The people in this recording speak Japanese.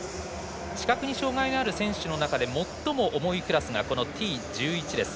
視覚に障がいがある選手の中で最も重いクラスがこのＴ１１です。